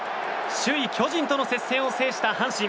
首位、巨人との接戦を制した阪神。